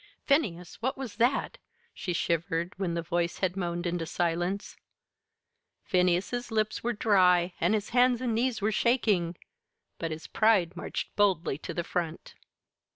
"Phineas, what was that?" she shivered, when the voice had moaned into silence. Phineas's lips were dry, and his hands and knees were shaking; but his pride marched boldly to the front.